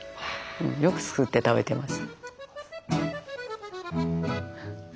よく作って食べてます。